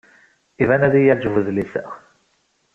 Iban ad iyi-yeɛjeb wedlis-a.